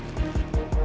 saya akan mencari